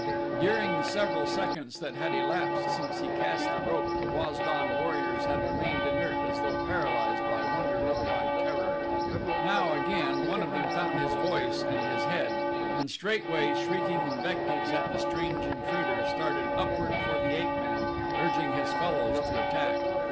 During the several seconds that had elapsed since he cast the rope the Waz don warriors had remained inert as though paralyzed by wonder or by terror. Now, again, one of them found his voice and his head and straightway, shrieking invectives at the strange intruder, started upward for the ape man, urging his fellows to attack.